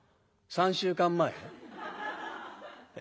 ３週間前？